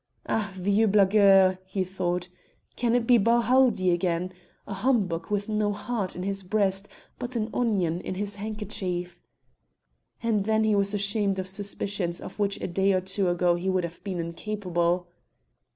"Ah, vieux blagueur!" he thought, "can it be Balhaldie again a humbug with no heart in his breast but an onion in his handkerchief?" And then he was ashamed of suspicions of which a day or two ago he would have been incapable.